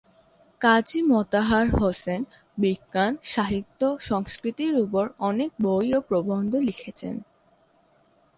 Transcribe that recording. কাজী মোতাহার হোসেন বিজ্ঞান, সাহিত্য, সংস্কৃতির উপর অনেক বই ও প্রবন্ধ লিখেছেন।